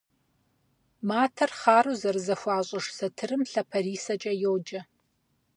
Матэр хъару зэрызэхуащӏыж сатырым лъапэрисэкӏэ йоджэ.